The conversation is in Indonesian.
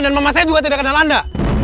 dan mama saya juga tidak kenal anda